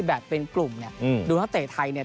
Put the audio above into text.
แบบเป็นกลุ่มดูนักเตะไทย